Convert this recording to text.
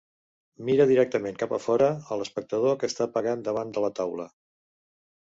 Mira directament cap a fora, a l'espectador que està pregant davant de la taula.